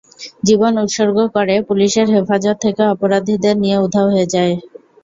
জীবন উৎসর্গ করে, পুলিশের হেফাজত থেকে অপরাধীদের নিয়ে উধাও হয়ে যায়।